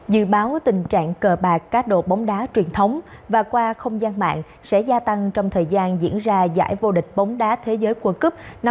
dự báo tình trạng cờ bạc cá độ bóng đá truyền thống và qua không gian mạng sẽ gia tăng trong thời gian diễn ra giải vô địch bóng đá thế giới world cup năm hai nghìn hai mươi